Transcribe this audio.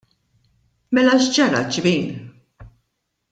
Mela x'ġara xbin?